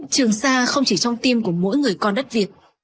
trường sa không chỉ trong tim của mỗi người con đất việt